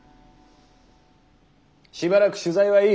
しばらく取材はいい。